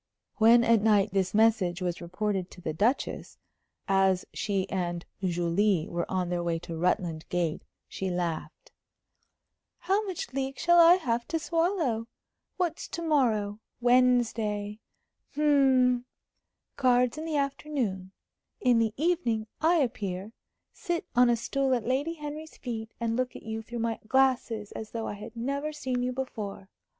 When at night this message was reported to the Duchess, as she and Julie were on their way to Rutland Gate, she laughed. "How much leek shall I have to swallow? What's to morrow? Wednesday. Hm cards in the afternoon; in the evening I appear, sit on a stool at Lady Henry's feet, and look at you through my glasses as though I had never seen you before.